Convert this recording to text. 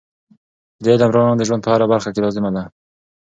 د علم رڼا د ژوند په هره برخه کې لازم دی.